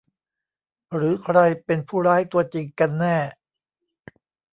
หรือใครเป็นผู้ร้ายตัวจริงกันแน่